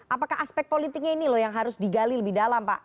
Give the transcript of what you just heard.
apakah aspek politiknya ini loh yang harus digali lebih dalam pak